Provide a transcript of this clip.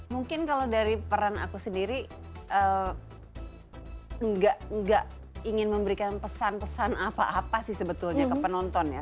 mungkin kalau dari peran aku sendiri nggak ingin memberikan pesan pesan apa apa sih sebetulnya ke penonton ya